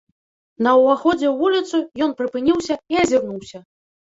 На ўваходзе ў вуліцу ён прыпыніўся і азірнуўся.